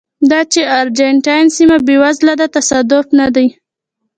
دا چې ارجنټاین سیمه بېوزله ده تصادف نه دی.